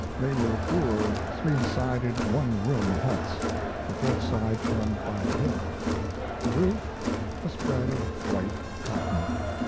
They were poor, three sided, one room huts, the fourth side formed by the hill; the roof, a spread of white cotton.